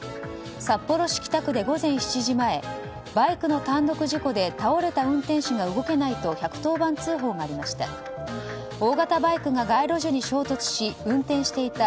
札幌市北区で午前７時前バイクの単独事故で倒れた運転手が動けないと１１０番通報がありました。